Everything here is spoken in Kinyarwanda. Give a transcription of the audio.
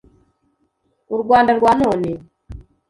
u rwanda rwa none